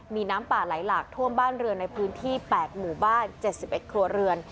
มีน้ำป่าไหลหลากท่วมบ้านเรือนในพื้นที่๘หมู่บ้าน๗๑ครัวเรือน